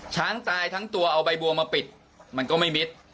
ช้างตายทั้งตัวเอาใบบัวมาปิดมันก็ไม่มิด